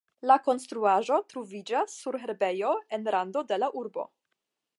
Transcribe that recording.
La konstruaĵo troviĝas sur herbejo en rando de la urbo.